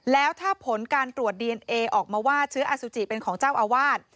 แล้วถ้าผลการตรวจดีเอนเอออกมาว่าเชื้ออสุจิเป็นของเจ้าอาวาส